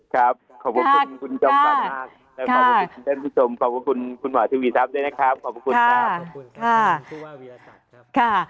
ครับขอบคุณคุณจอมฟันมากและขอบคุณผู้ชมขอบคุณคุณหมอทวีทรัพย์ด้วยนะครับขอบคุณค่ะ